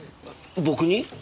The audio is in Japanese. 僕に？